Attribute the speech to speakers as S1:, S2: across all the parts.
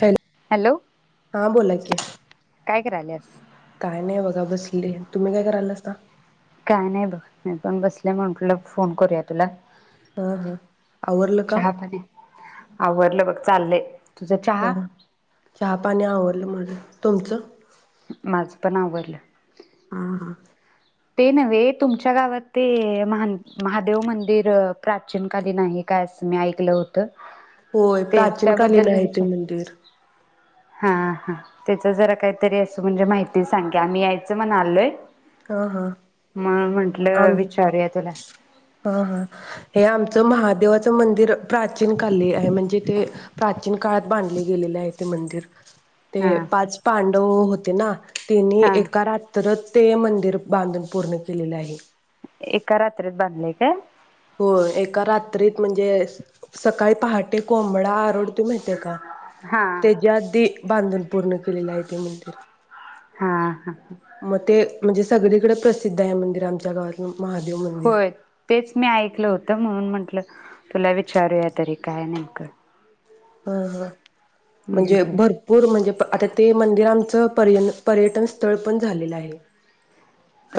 S1: Hello,
S2: hello
S1: हा बोला कि
S2: काय करायल्यास?
S1: काय नाही बघा बसले. तुम्ही काय करायलायस?
S2: काय नाही बघ मी पण बसले, म्हणल फोन करूया तुला
S1: ह ह आवरलं का?
S2: चहा पाणी आवरलं बघ चाललंय तुझं
S1: हा..
S2: चहा
S1: चहा-पाणी आवरलं माझं. तुमचं?
S2: माझं पण आवरलं.
S1: हा.. हा..
S2: ते नव्हे तुमच्या गावात ते महान महादेव मंदिर प्राचीन कालीन आहे. काय तुमी ऐकलं होतं, तेच
S1: होय प्राचीन कालीन
S2: त्याच्याबद्दल
S1: आहे ते
S2: विचार
S1: मंदिर
S2: हा हा तेच जरा काहीतरी म्हणजे माहिती सांग्या आम्ही यायचं म्हणलोय
S1: हा हा
S2: मग म्हंटलं
S1: आम
S2: विचारू याच काय?
S1: हा.. हा.. हे आमचं महादेवाचं मंदिर प्राचीन काली आहे म्हणजे ते प्राचीन काळात बांधले गेलेले आहे ते मंदिर ते
S2: हा
S1: पाच पांडव होते ना, त्यांनी
S2: हा
S1: एका रात्र ते मं मंदिर बांधून पूर्ण केलेलं आहे.
S2: एका रात्रीत बांधलेय काय?
S1: हो एका रात्रीत म्हणजे सकाळी पहाटे कोंबडा ओरड आडरतोय माहितय का,
S2: हा
S1: त्याच्या आधी बांधून पूर्ण केलेलं आहे ते मंदिर
S2: हा.. हा..
S1: मग ते म्हणजे सगळीकडे प्रसिद्ध आहे, मंदिर आमच्या गावातल महादेव मंदिर
S2: होय तेच मी ऐकलं होतं, म्हणून म्हटलं तुला विचारूया तरी काय नेमकं
S1: ह ह म्हणजे
S2: हम्म
S1: बघ म्हणजे आता ते मंदिर आमचं पर्यन पर्यटन स्थळ पण झालेलं आहे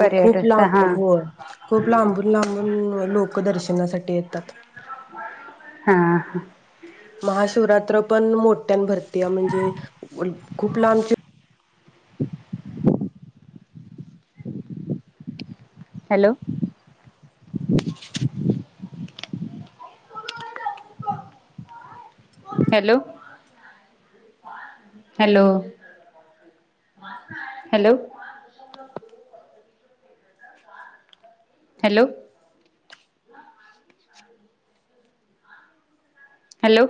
S1: हो खूप ला
S2: हा
S1: हो खूप लांबून लांबून लोक दर्शनासाठी येतात.
S2: हा..
S1: महाशिवरात्र पण मोठ्यान भरती म्हणजे खूप लांब
S2: [inaudible] hello! Hello hello hello hello hello